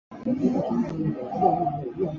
栖息于全世界的热带及亚热带海域。